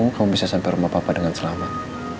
kamu bisa sampai rumah papa dengan selamat